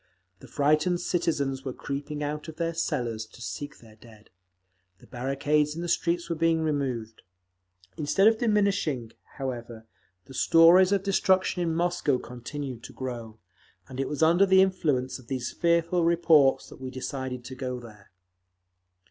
The frightened citizens were creeping out of their cellars to seek their dead; the barricades in the streets were being removed. Instead of diminishing, however, the stories of destruction in Moscow continued to grow…. And it was under the influence of these fearful reports that we decided to go there.